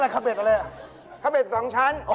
อ๋อรู้จักตัวโน๊ทไหม